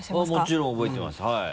もちろん覚えてますはい。